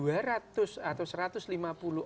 dua ratus atau satu ratus lima puluh